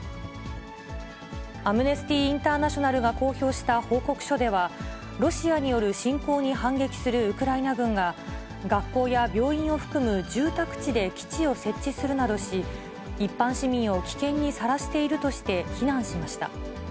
アムネスティ・インターナショナルが公表した報告書では、ロシアによる侵攻に反撃するウクライナ軍が、学校や病院を含む住宅地で基地を設置するなどし、一般市民を危険にさらしているとして、非難しました。